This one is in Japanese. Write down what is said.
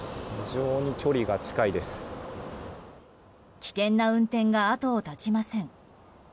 危険な運転が後を絶ちません。